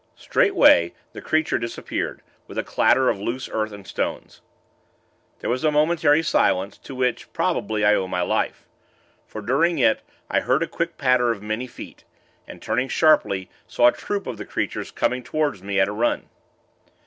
Straightway, the creature disappeared, with a clatter of loose earth and stones. There was a momentary silence, to which, probably, I owe my life; for, during it, I heard a quick patter of many feet, and, turning sharply, saw a troop of the creatures coming toward me, at a run.